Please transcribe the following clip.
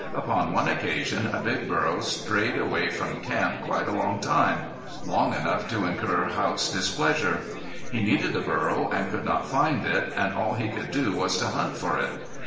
Upon one occasion a big burro stayed away from camp quite a long time long enough to incur Haught's displeasure. He needed the burro and could not find it, and all he could do was to hunt for it.